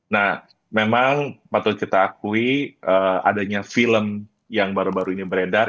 nah memang patut kita akui adanya film yang baru baru ini beredar